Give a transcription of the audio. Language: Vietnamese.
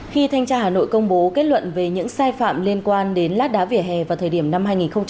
khi thanh tra hà nội công bố kết luận về những sai phạm liên quan đến lát đá vỉa hè vào thời điểm năm hai nghìn một mươi chín